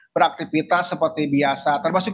beraktivitas seperti biasa termasuk